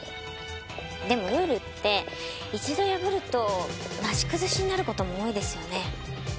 でもルールって一度破るとなし崩しになる事も多いですよね。